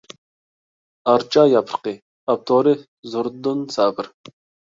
«ئارچا ياپرىقى»، ئاپتورى: زوردۇن سابىر.